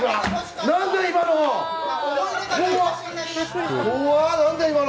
何だ、今の。